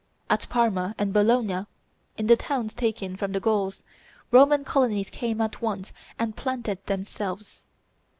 At Parma and Bologna, in the towns taken from the Gauls, Roman colonies came at once and planted them selves.